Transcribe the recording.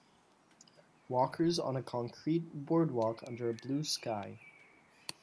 Walkers on a concrete boardwalk under a blue sky.